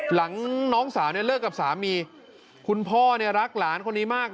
น้องสาวเนี่ยเลิกกับสามีคุณพ่อเนี่ยรักหลานคนนี้มาก